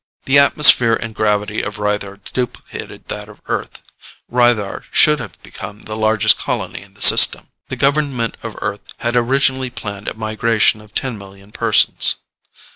The atmosphere and gravity of Rythar duplicated that of Earth; Rythar should have become the largest colony in the system. The government of Earth had originally planned a migration of ten million persons.